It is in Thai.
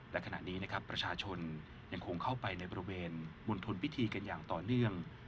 และขณะนี้นะครับประชาชนยังคงเข้าไปในบริเวณมณฑลพิธีกันอย่างต่อเนื่อง